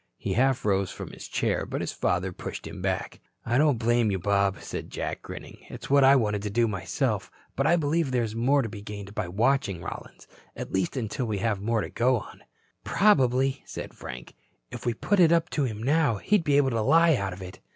He half rose from his chair, but his father pushed him back. "Don't blame you, Bob," said Jack, grinning. "It's what I wanted to do myself. But I believe there is more to be gained by watching Rollins at least until we have more to go on." "Probably," said Frank, "if we put it up to him now, he'd be able to lie out of it."